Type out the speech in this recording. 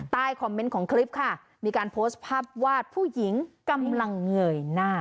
คอมเมนต์ของคลิปค่ะมีการโพสต์ภาพวาดผู้หญิงกำลังเงยหน้า